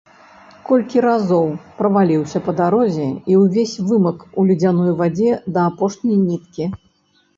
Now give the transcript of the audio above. Колькі разоў праваліўся па дарозе і ўвесь вымак у ледзяной вадзе да апошняй ніткі.